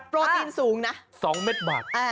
โปรตีนสูงนะ๒เมตรบาท